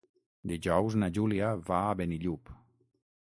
Dijous na Júlia va a Benillup.